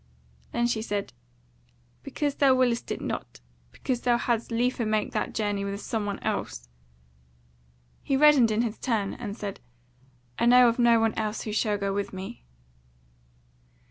Then she said: "Because thou willest it not: because thou hadst liefer make that journey with some one else." He reddened in his turn, and said: "I know of no one else who shall go with me."